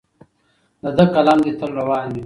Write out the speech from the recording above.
د ده قلم دې تل روان وي.